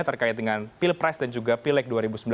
terkait dengan pilpres dan juga pileg dua ribu sembilan belas